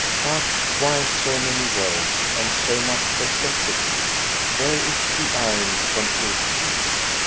But why so many words and so much perplexity? There is the iron from Ekeby.